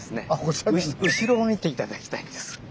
後ろを見て頂きたいんです。